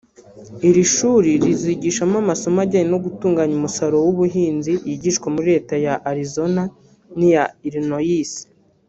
Iri shuri rizigishamo amasomo ajyanye no gutunganya umusaruro w’ubuhinzi yigishwa muri Leta ya Arizona n’iya Illinois